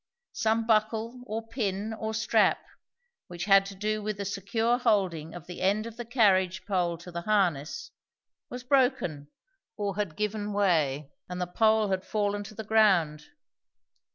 Some buckle or pin or strap, which had to do with the secure holding of the end of the carriage pole to the harness, was broken or had given way, and the pole had fallen to the ground.